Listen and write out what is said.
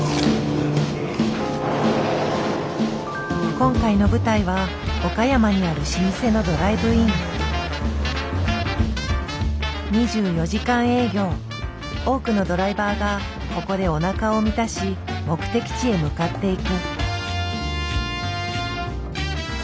今回の舞台は岡山にある老舗の多くのドライバーがここでおなかを満たし目的地へ向かっていく。